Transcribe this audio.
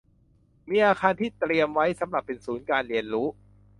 มีอาคารที่เตรียมไว้สำหรับเป็นศูนย์การเรียนรู้